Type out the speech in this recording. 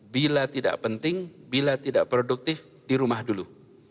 bila tidak penting bila tidak produktif di rumah dulu